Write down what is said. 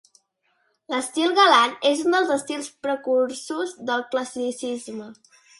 L'estil galant és un dels estils precursors del Classicisme.